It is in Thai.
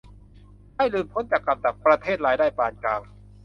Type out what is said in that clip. ให้หลุดพ้นจากกับดักประเทศรายได้ปานกลาง